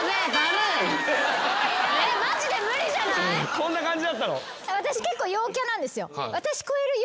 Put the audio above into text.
こんな感じだったの？